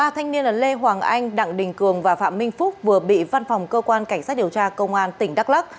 ba thanh niên là lê hoàng anh đặng đình cường và phạm minh phúc vừa bị văn phòng cơ quan cảnh sát điều tra công an tỉnh đắk lắc